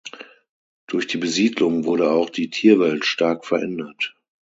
Durch die Besiedlung wurde auch die Tierwelt stark verändert.